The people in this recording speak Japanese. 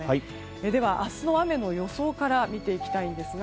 では、明日の雨の予想から見ていきます。